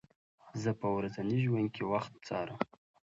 زه په ورځني ژوند کې وخت څارم.